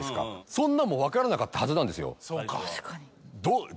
そんなんも分からなかったはずなんですよ。